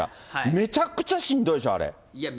めちゃくちゃしんどいでしょ？